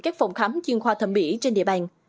các phòng khám chuyên khoa thẩm mỹ trên địa bàn